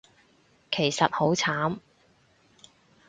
其實好慘